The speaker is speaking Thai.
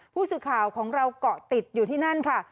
ผู้สื่อข่าวของเราเกาะติดอยู่ที่นั่นค่ะ